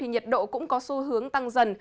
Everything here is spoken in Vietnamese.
nhiệt độ cũng có xu hướng tăng dần